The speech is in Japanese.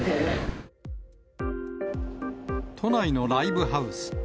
都内のライブハウス。